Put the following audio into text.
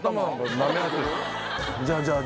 じゃあ。